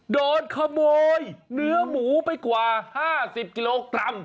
โดนขโมยเนื้อหมูไปกว่า๕๐กิโลกรัม